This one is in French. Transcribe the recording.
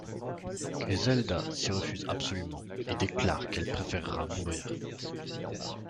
Griselda s'y refuse absolument et déclare qu'elle préférera mourir.